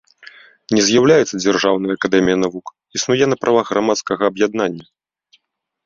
Не з'яўляецца дзяржаўнай акадэміяй навук, існуе на правах грамадскага аб'яднання.